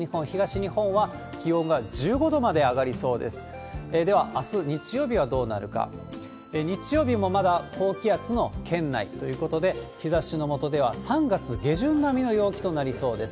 日曜日もまだ高気圧の圏内ということで、日ざしの下では３月下旬並みの陽気となりそうです。